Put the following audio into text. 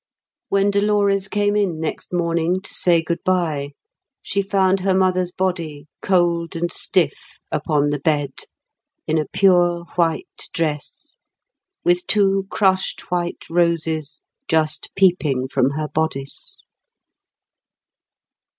When Dolores came in next morning to say goodbye, she found her mother's body cold and stiff upon the bed, in a pure white dress, with two crushed white roses just peeping from her bodice.